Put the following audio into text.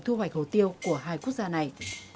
thu hoạch hồ tiêu của hai quốc gia này